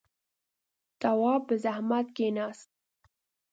تواب په زحمت کېناست.